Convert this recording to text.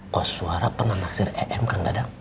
kau suara pernah naksir em kang dadang